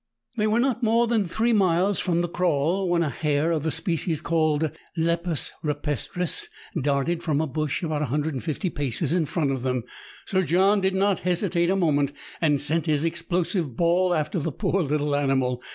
They were not more than three miles from the kraal when a hare (of the species called " lepus rupestris ") darted from a bush about 150 paces in front of them. Sir John did not hesitate a moment, and sent his explosive ball after the poor little animal.